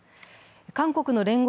韓国の聯合